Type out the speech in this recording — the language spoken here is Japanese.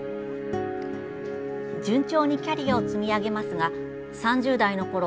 順調にキャリアを積み上げますが３０代のころ